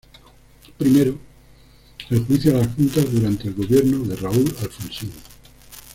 Primero, el juicio a las Juntas durante el gobierno de Raúl Alfonsín.